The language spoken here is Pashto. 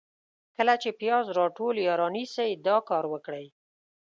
کله چي پیاز راټول یا رانیسئ ، دا کار وکړئ: